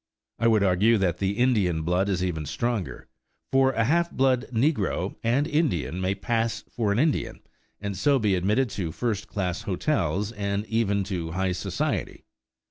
I would argue that the Indian blood is even stronger, for a half blood negro and Indian may pass for an Indian, and so be admitted to first class hotels and even to high society.